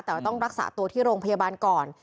แต่ว่าต้องรักษาตัวที่โรงพยาบาลก่อน